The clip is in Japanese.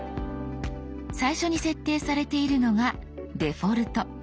最初に設定されているのが「デフォルト」。